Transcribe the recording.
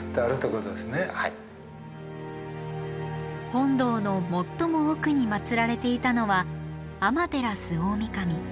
本堂の最も奥にまつられていたのは天照大神。